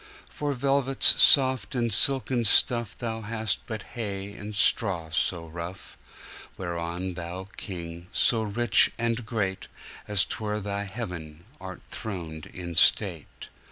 For velvets soft and silken stuffThou hast but hay and straw so rough, Whereon Thou King, so rich and great, As 'twere Thy heaven, art throned in state.